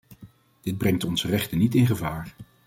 Dit brengt onze rechten niet in gevaar.